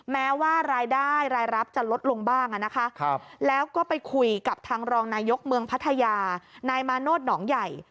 แม้ว่ารายได้รายรับจะลดลงบ้างนะคะแล้วก็ไปคุยกับทางรองนายกเมืองพัทยานายมาโนธหนองใหญ่